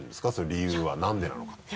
理由は何でなのか。